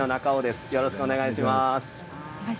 よろしくお願いします。